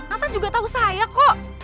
atta juga tahu saya kok